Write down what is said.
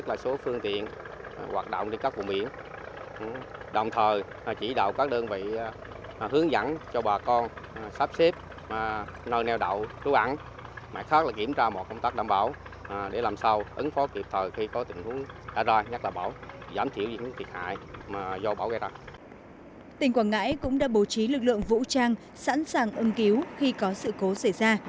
tỉnh quảng ngãi cũng đã bố trí lực lượng vũ trang sẵn sàng ứng cứu khi có sự cố xảy ra